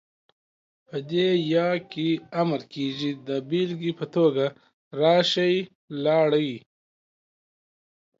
په دې ئ کې امر کيږي، دا بيلګې په توګه ، راشئ، لاړئ،